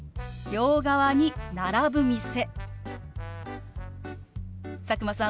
「両側に並ぶ店」。